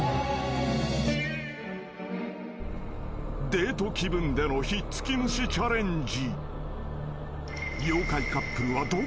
［デート気分でのひっつき虫チャレンジ］